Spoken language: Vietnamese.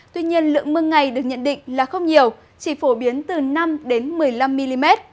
tuy nhiên lượng mưa ngày được nhận định là không nhiều chỉ phổ biến từ năm một mươi năm mm